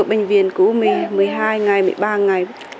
ở bệnh viện cứu mình một mươi hai ngày một mươi ba ngày